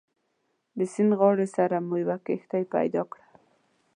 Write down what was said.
د سیند غاړې سره مو یوه کښتۍ پیدا کړه.